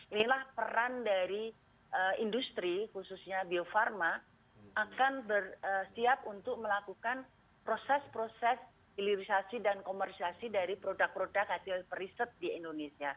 inilah peran dari industri khususnya bio farma akan bersiap untuk melakukan proses proses hilirisasi dan komersiasi dari produk produk hasil riset di indonesia